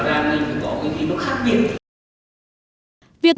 thì rõ ràng mình có cái gì nó khác biệt